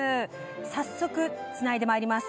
早速、つないでまいります。